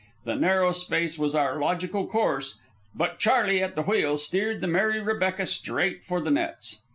The narrow space was our logical course, but Charley, at the wheel, steered the Mary Rebecca straight for the nets.